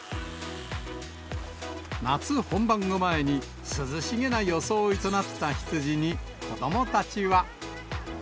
夏本番を前に、涼しげな装いとなった羊に、子どもたちは。